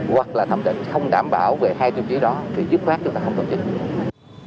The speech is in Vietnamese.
hoặc là thẩm định không đảm bảo về hai chư chí đó thì chứ phát chúng ta không phòng chống dịch